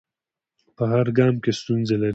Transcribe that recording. په هر ګام کې ستونزې لري.